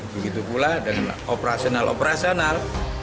begitu pula dengan operasional operasional